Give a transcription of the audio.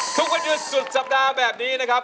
ทุกวันหยุดสุดสัปดาห์แบบนี้นะครับ